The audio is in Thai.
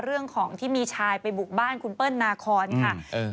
ที่มีชายไปบุกบ้านคุณเปิ้ลนาคอนค่ะ